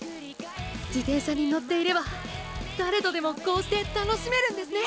自転車に乗っていれば誰とでもこうして楽しめるんですね！